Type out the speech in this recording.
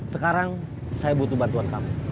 sekarang saya butuh bantuan kamu